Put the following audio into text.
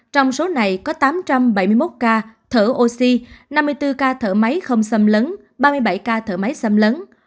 trong số này có tám trăm bảy mươi một ca thở oxy năm mươi bốn ca thở máy không xâm lấn ba mươi bảy ca thở máy xâm lấn